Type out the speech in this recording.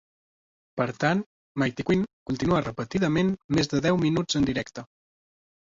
Per tant, "Mighty Quinn" continua repetidament més de deu minuts en directe.